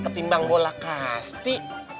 ketimbang bola kasti